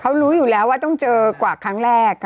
เขารู้อยู่แล้วว่าต้องเจอกว่าครั้งแรก